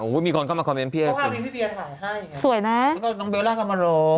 โอ้โหมีคนเข้ามาคอมเม้นท์พี่เบียถ่ายให้สวยนะก็น้องเบล่ากันมาลง